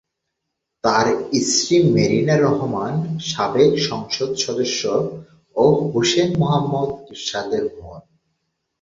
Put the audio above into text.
তার স্ত্রী মেরিনা রহমান সাবেক সংসদ সদস্য ও হুসেইন মুহাম্মদ এরশাদের বোন।